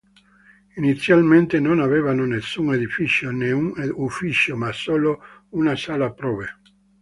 Inizialmente non avevano nessun edificio, né un ufficio, ma solo una sala prove.